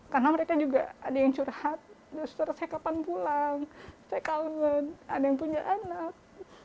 karena mereka juga ada yang curhat doster saya kapan pulang saya kangen ada yang punya anak